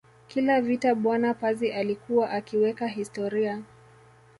Kila vita bwana Pazi alikuwa akiweka historia